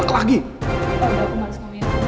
apa udah aku marus ngomongin kamu